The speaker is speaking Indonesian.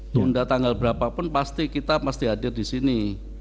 tunda tanggal berapa pun pasti kita pasti hadir disini